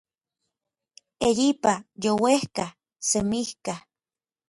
eyipa, youejka, semijka